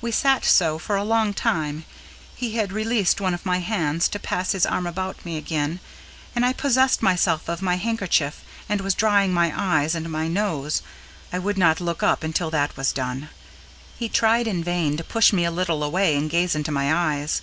We sat so for a long time. He had released one of my hands to pass his arm about me again, and I possessed myself of my handkerchief and was drying my eyes and my nose. I would not look up until that was done; he tried in vain to push me a little away and gaze into my eyes.